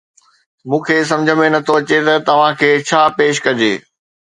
مون کي سمجهه ۾ نه ٿو اچي ته توهان کي ڇا پيش ڪجي